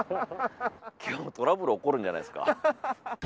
今日、トラブル起こるんじゃないですか。